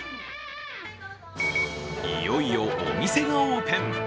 いよいよお店がオープン。